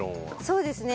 そうですね。